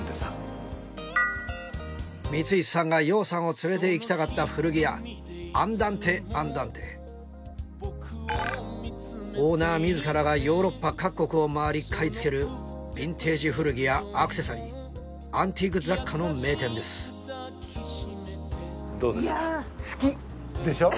光石さんが羊さんを連れていきたかった古着屋オーナー自らがヨーロッパ各国を回り買い付けるヴィンテージ古着やアクセサリーアンティーク雑貨の名店です。でしょ？